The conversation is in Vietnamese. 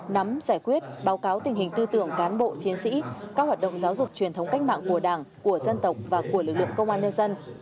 nắm giải quyết báo cáo tình hình tư tưởng cán bộ chiến sĩ các hoạt động giáo dục truyền thống cách mạng của đảng của dân tộc và của lực lượng công an nhân dân